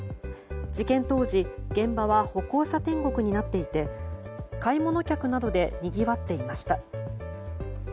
事件当時、現場は歩行者天国になっていて買い物客などでにぎわっていました。